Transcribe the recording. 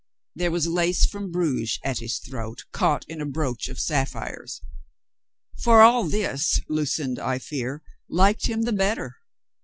There was lace from Bruges at his throat, caught in a brooch of sapphires. For all this, Lu cinda, I fear, liked him the better.